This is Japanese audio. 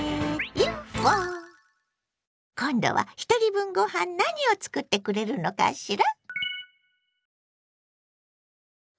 今度はひとり分ご飯何を作ってくれるのかしら？